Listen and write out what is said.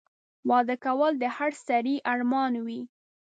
واده کول د هر سړي ارمان وي